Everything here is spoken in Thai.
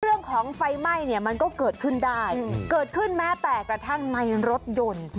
เรื่องของไฟไหม้เนี่ยมันก็เกิดขึ้นได้เกิดขึ้นแม้แต่กระทั่งในรถยนต์